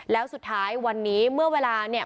แล้วสุดท้ายวันนี้เมื่อเวลาเนี่ย